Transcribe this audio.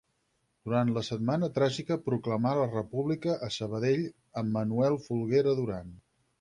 Durant la Setmana Tràgica proclamà la República a Sabadell amb Manuel Folguera Duran.